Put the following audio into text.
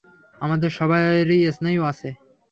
আমাদের সবারই স্নায়ু আছে।